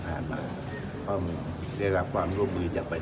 การทำงานของการเมืองแบบเดิม